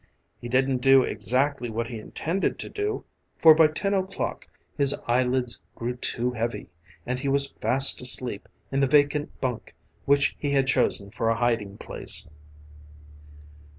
He didn't do exactly what he intended to do, for by ten o'clock his eyelids grew too heavy and he was fast asleep in the vacant bunk which he had chosen for a hiding place.